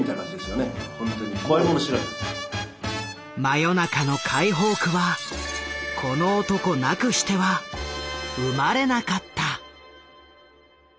真夜中の解放区はこの男なくしては生まれなかった。